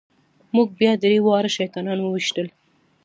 موږ بیا درې واړه شیطانان وويشتل.